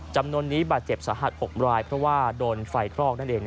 จำนวนนี้บาดเจ็บสาหัส๖รายเพราะว่าโดนไฟคลอกนั่นเอง